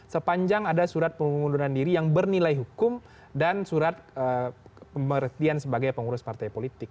sepanjang ada surat pengunduran diri yang bernilai hukum dan surat pemberhentian sebagai pengurus partai politik